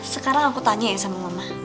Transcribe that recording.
sekarang aku tanya ya sama mama